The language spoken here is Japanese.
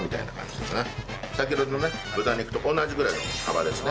先ほどの豚肉と同じぐらいの幅ですね。